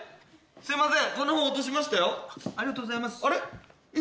すいません